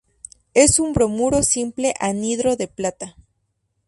Es un bromuro simple anhidro de plata.